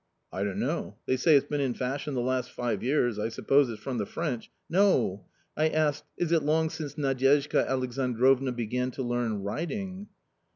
" I don't know, they say it's been in fashion the last five years : I suppose it's from the French "" No, I asked ; is it long since Nadyezhda Alexandrovna began to learn riding